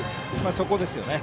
そこですよね。